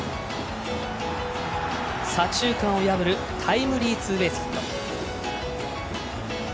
左中間を破るタイムリーツーベースヒット。